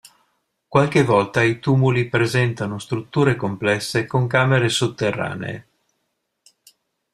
Qualche volta i tumuli presentano strutture complesse con camere sotterranee.